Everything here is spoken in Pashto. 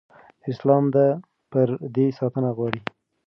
اسلام د پردې ساتنه غواړي.